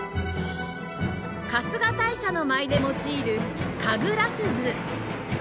春日大社の舞で用いる神楽鈴